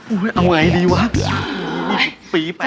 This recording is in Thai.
โอ้ยเอาไงดีวะนี่ปี๊ไป